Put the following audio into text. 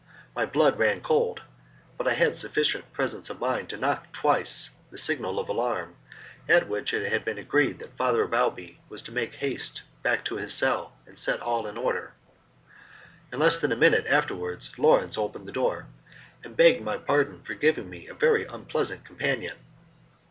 My blood ran cold, but I had sufficient presence of mind to knock twice the signal of alarm at which it had been agreed that Father Balbi was to make haste back to his cell and set all in order. In less than a minute afterwards Lawrence opened the door, and begged my pardon for giving me a very unpleasant companion.